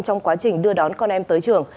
trong quá trình đưa đón con em tới trường